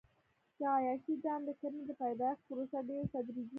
د عیاشۍ دام د کرنې د پیدایښت پروسه ډېره تدریجي وه.